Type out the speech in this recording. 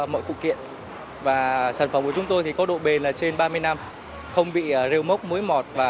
mọi phụ kiện và sản phẩm của chúng tôi thì có độ bền là trên ba mươi năm không bị rêu mốc mối mọt